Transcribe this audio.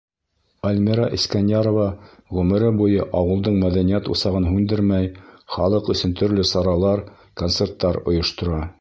Альмира Искәнйәрова ғүмере буйы ауылдың мәҙәниәт усағын һүндермәй, халыҡ өсөн төрлө саралар, концерттар ойоштора.